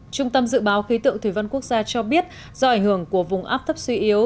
trung tâm dự báo khí tượng thủy văn quốc gia cho biết do ảnh hưởng của vùng áp thấp suy yếu